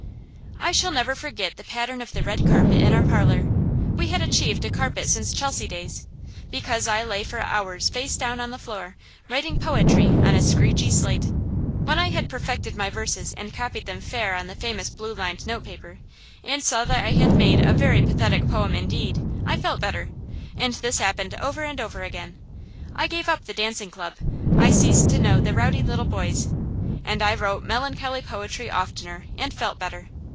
I shall never forget the pattern of the red carpet in our parlor, we had achieved a carpet since Chelsea days, because I lay for hours face down on the floor, writing poetry on a screechy slate. When I had perfected my verses, and copied them fair on the famous blue lined note paper, and saw that I had made a very pathetic poem indeed, I felt better. And this happened over and over again. I gave up the dancing club, I ceased to know the rowdy little boys, and I wrote melancholy poetry oftener, and felt better.